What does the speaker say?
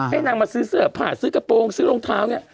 ให้นางมาซื้อเสื้อผ้าซื้อกระโปรงซื้อรองเท้าเนี่ย